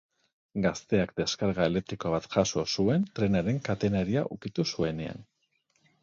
Gazteak deskarga elektriko bat jaso zuen trenaren katenaria ukitu zuenean.